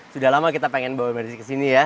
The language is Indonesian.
sudah lama kita ingin bawa mbak desi ke sini ya